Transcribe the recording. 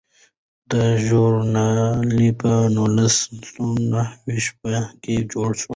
دا ژورنال په نولس سوه نهه شپیته کې جوړ شو.